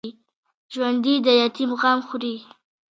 ژوندي د یتیم غم خوري